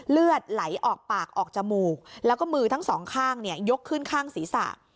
เลือดไหลออกปากออกจมูกแล้วก็มือทั้งสองข้างยกขึ้นข้างศีรษะ